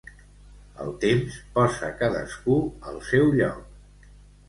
El temps posa cadascú al seu lloc.